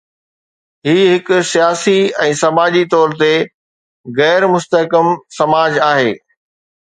هي هڪ سياسي ۽ سماجي طور تي غير مستحڪم سماج آهي.